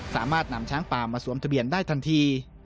สามารถนำช้างป่ามาสวมทะเบียนได้ทันที